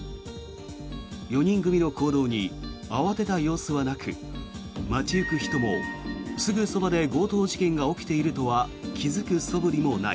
４人組の行動に慌てた様子はなく街行く人もすぐそばで強盗事件が起きているとは気付くそぶりもない。